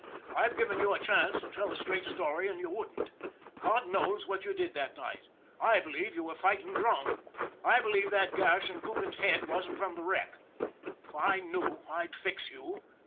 " I've given you a chance to tell a straight story and you wouldn't. God knows what you did that night. I believe you were fighting drunk. I believe that gash in Coogan's head wasn't from the wreck. If I knew I'd fix you."